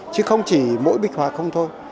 chứ không chỉ mỗi bích hóa không thôi